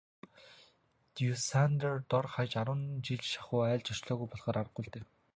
Дюссандер дор хаяж арван жил шахуу айлд зочлоогүй болохоор аргагүй л дээ.